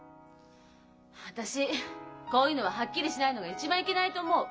私こういうのははっきりしないのが一番いけないと思う。